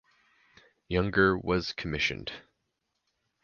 Younger was commissioned.